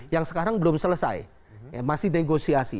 yang sekarang belum selesai masih negosiasi